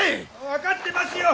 分かってますよ